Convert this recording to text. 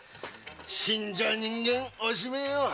死んじゃ人間おしめぇよ。